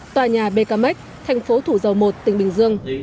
tòa nhà bkmec thành phố thủ dầu một tỉnh bình dương